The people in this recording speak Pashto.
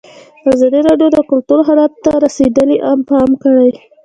ازادي راډیو د کلتور حالت ته رسېدلي پام کړی.